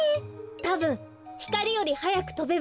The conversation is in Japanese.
たぶんひかりよりはやくとべば。